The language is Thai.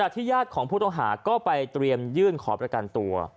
ที่ญาติของุธตัวหาก็ไปเตรียมยื่นขอบนักการตัว